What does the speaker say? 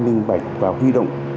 minh bạch và huy động